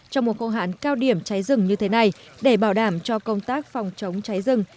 trong mùa khô hạn cao điểm cháy rừng như thế này để bảo đảm cho công tác phòng chống cháy rừng